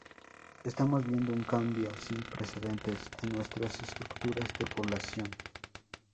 Estamos viendo un cambio sin precedentes en nuestras estructuras de población.